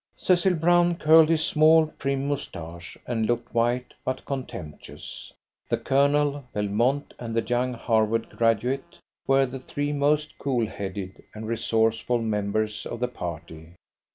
Cecil Brown curled his small, prim moustache, and looked white, but contemptuous. The Colonel, Belmont, and the young Harvard graduate were the three most cool headed and resourceful members of the party.